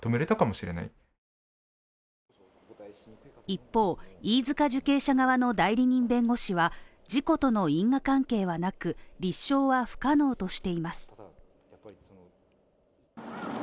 一方、飯塚受刑者側の代理人弁護士は事故との因果関係はなく、立証は不可能としています。